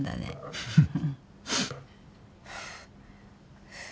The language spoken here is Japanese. フフフ。